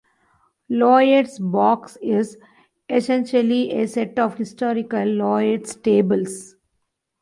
Lloyd's Box is essentially a set of historical Lloyd's Tables.